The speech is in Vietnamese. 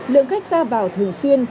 lượng khách ra vào thường xuyên